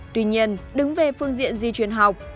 tuy nhiên đứng về phương diện di chuyển học